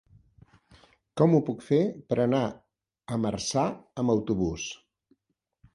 Com ho puc fer per anar a Marçà amb autobús?